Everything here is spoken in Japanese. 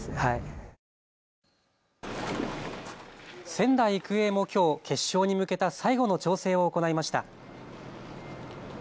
仙台育英もきょう決勝に向けた最後の調整を行いました。